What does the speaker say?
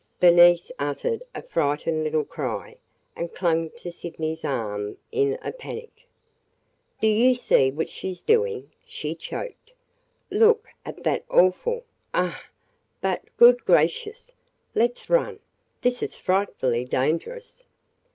Bernice uttered a frightened little cry and clung to Sydney's arm in a panic. "Do you see what she 's doing?" she choked. "Look at that awful – ugh! But, good gracious! Let 's run! This is frightfully dangerous!"